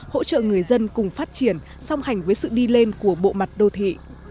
hỗ trợ người dân cùng phát triển song hành với sự đi lên của bộ mặt đô thị